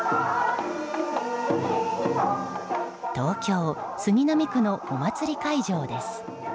東京・杉並区のお祭り会場です。